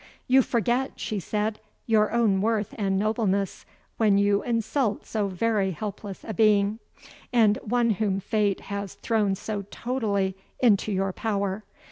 "You forget," she said, "your own worth and nobleness when you insult so very helpless a being, and one whom fate has thrown so totally into your power.